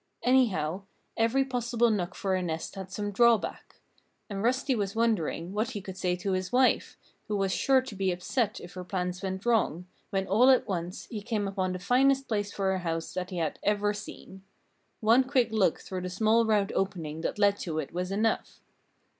Anyhow, every possible nook for a nest had some drawback. And Rusty was wondering what he could say to his wife, who was sure to be upset if her plans went wrong, when all at once he came upon the finest place for a house that he had ever seen. One quick look through the small round opening that led to it was enough.